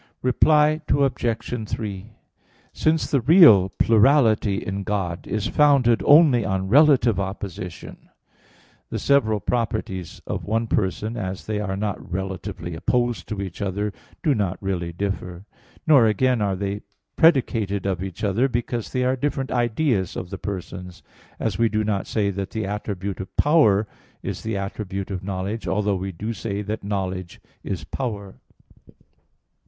Reply Obj. 3: Since the real plurality in God is founded only on relative opposition, the several properties of one Person, as they are not relatively opposed to each other, do not really differ. Nor again are they predicated of each other, because they are different ideas of the persons; as we do not say that the attribute of power is the attribute of knowledge, although we do say that knowledge is power.